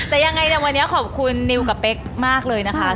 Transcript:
แต่ยังไงเนี่ยวันนี้ขอบคุณนิวกับเป๊กมากเลยนะคะ